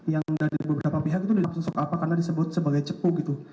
yang dari beberapa pihak itu dalam sosok apa karena disebut sebagai cepu gitu